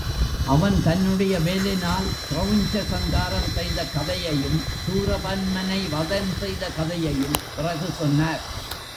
அவன் தன்னுடைய வேலினால் கிரெளஞ்ச சங்காரம் செய்த கதையையும், சூரபன்மனை வதம் செய்த கதையையும் பிறகு சொன்னார்.